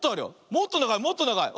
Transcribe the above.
もっとながいもっとながい。